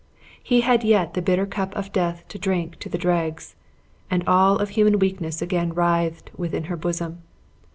He had yet the bitter cup of death to drink to the dregs; and all of human weakness again writhed within her bosom.